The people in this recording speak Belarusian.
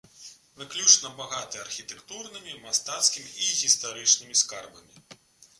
Выключна багаты архітэктурнымі, мастацкімі і гістарычнымі скарбамі.